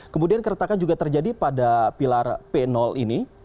kemudian keretakan juga terjadi pada pilar p ini